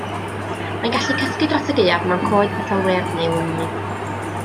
Mae'n gallu cysgu dros y gaeaf mewn coed bytholwyrdd neu lwyni.